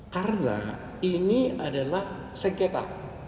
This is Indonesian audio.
karena ini adalah sengketa